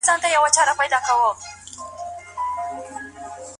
سیاست پوهنه زموږ د راتلونکي نسل لپاره میراث دی.